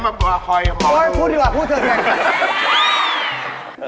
มาปลอคอยกับหมอดูโอ๊ยพูดดีกว่าพูดเถอะแทง